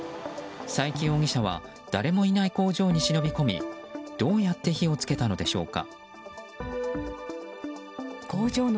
佐伯容疑者は誰もいない工場に忍び込みどうやって火を付けたのでしょうか。